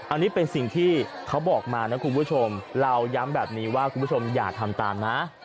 อันนี้เป็นสิ่งที่เขาบอกมานะคุณผู้ชมเราย้ำแบบนี้ว่าคุณผู้ชมอย่าทำตามนะ